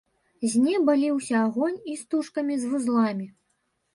З неба ліўся агонь істужкамі з вузламі.